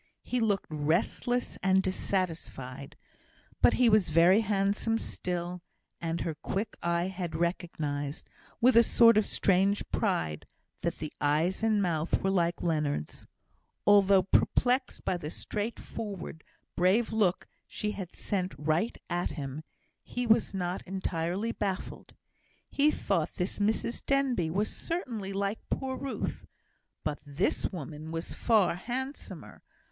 He looked restless and dissatisfied. But he was very handsome still; and her quick eye had recognised, with a sort of strange pride, that the eyes and mouth were like Leonard's. Although perplexed by the straightforward, brave look she had sent right at him, he was not entirely baffled. He thought this Mrs Denbigh was certainly like poor Ruth; but this woman was far handsomer.